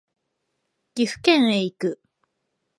岐阜県へ行く